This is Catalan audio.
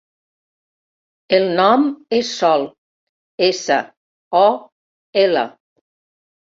El nom és Sol: essa, o, ela.